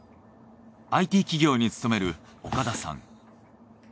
ＩＴ企業に勤める岡田さん。